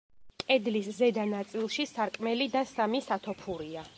კედლის ზედა ნაწილში სარკმელი და სამი სათოფურია.